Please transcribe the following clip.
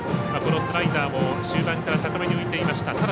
スライダーも終盤から高めに浮いていました。